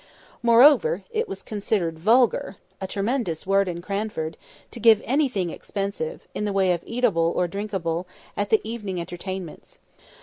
Moreover, it was considered "vulgar" (a tremendous word in Cranford) to give anything expensive, in the way of eatable or drinkable, at the evening entertainments.